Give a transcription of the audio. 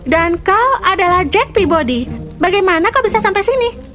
dan kau adalah jack peabody bagaimana kau bisa sampai sini